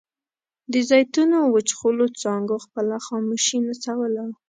د زیتونو وچخولو څانګو خپله خاموشي نڅوله.